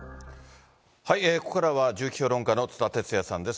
ここからは銃器評論家の津田哲也さんです。